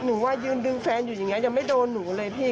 หนูว่ายืนดึงแฟนอยู่อย่างนี้ยังไม่โดนหนูเลยพี่